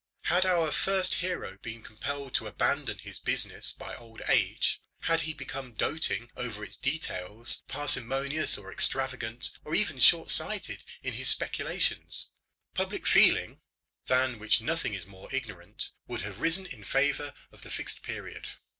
Had our first hero been compelled to abandon his business by old age had he become doting over its details parsimonious, or extravagant, or even short sighted in his speculations public feeling, than which nothing is more ignorant, would have risen in favour of the Fixed Period.